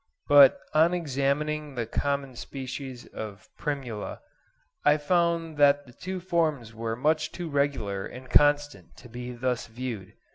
But on examining the common species of Primula I found that the two forms were much too regular and constant to be thus viewed.